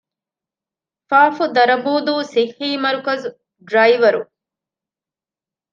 ފ. ދަރަނބޫދޫ ސިއްޙީމަރުކަޒު، ޑްރައިވަރު